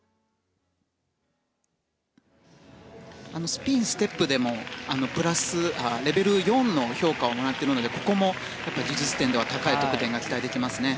スピン、ステップでもレベル４の評価をもらっているのでここも技術点では高い得点が期待できますね。